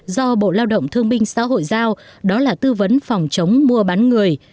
do bộ lao động thương minh xã hội giao đó là tư vấn phòng chống mua bán người